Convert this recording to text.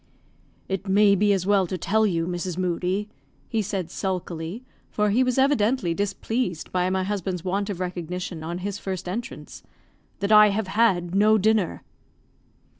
"It may be as well to tell you, Mrs. Moodie," said he sulkily, for he was evidently displeased by my husband's want of recognition on his first entrance, "that I have had no dinner."